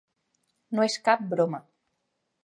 No és cap broma.